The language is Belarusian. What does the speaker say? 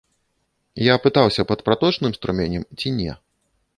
Я пытаўся, пад праточным струменем, ці не.